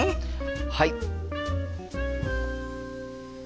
はい！